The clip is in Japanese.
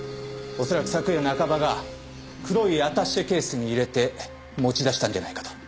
恐らく昨夜中葉が黒いアタッシェケースに入れて持ち出したんじゃないかと。